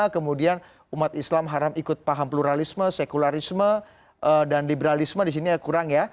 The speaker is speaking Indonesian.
kemudian umat islam haram ikut paham pluralisme sekularisme dan liberalisme di sini kurang ya